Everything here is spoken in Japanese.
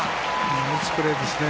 ナイスプレーですね。